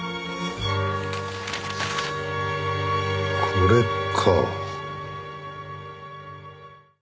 これか。